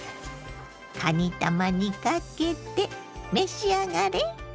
かにたまにかけて召し上がれ。